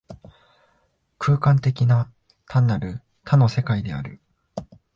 空間的な、単なる多の世界である。